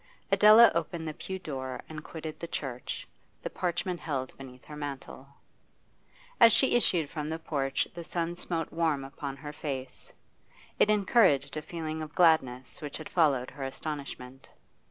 Adela opened the pew door and quitted the church, the parchment held beneath her mantle. As she issued from the porch the sun smote warm upon her face; it encouraged a feeling of gladness which had followed her astonishment.